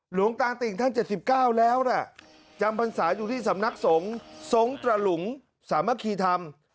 หลวงตาติ่งท่าน๗๙แล้วนะจำพรรษาอยู่ที่สำนักสงฆ์ทรงตระหลุงสามัคคีธรรม